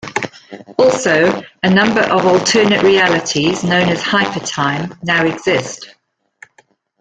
Also, a number of alternate realities- known as Hypertime- now exist.